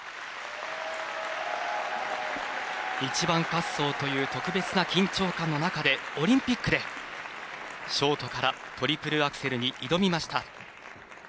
１番滑走という特別な緊張感の中でオリンピックでショートからトリプルアクセルに挑みました。